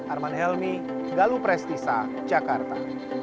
arman helmi galuh prestisa jakarta